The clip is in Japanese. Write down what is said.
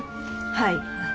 はい。